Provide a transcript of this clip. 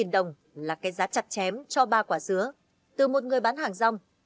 năm trăm linh đồng là cái giá chặt chém cho ba quả sứa từ một người bán hàng rong